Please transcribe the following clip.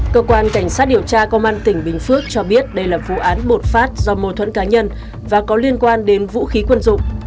cơ quan cảnh sát điều tra công an tỉnh bình phước cho biết đây là vụ án bột phát do mô thuẫn cá nhân và có liên quan đến vũ khí quân dụng